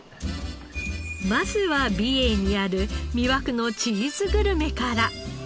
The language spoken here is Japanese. まずは美瑛にある魅惑のチーズグルメから。